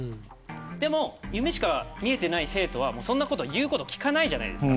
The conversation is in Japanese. でも夢しか見えていない生徒はそんなこと言うこと聞かないじゃないですか。